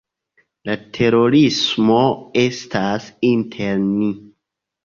La terorismo estas inter ni.